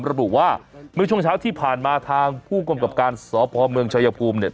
รับรูปว่าเมื่อช่วงเช้าที่ผ่านมาทางผู้กรรมกรรมการสอบภอมเมืองชายภูมิเนี่ย